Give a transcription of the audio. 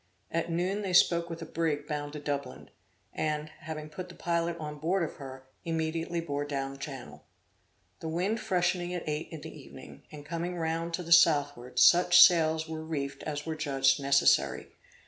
At noon they spoke with a brig bound to Dublin, and, having put the pilot on board of her, immediately bore down channel. The wind freshening at eight in the evening, and coming round to the southward, such sails were reefed as were judged necessary.